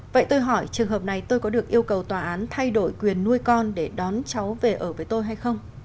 vậy tôi hỏi trường hợp này tôi có được yêu cầu tòa án thay đổi quyền nuôi con để đón cháu về ở với tôi hay không